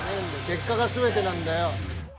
結果が全てなんだよ。